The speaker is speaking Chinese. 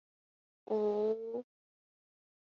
北附地菜是紫草科附地菜属的植物。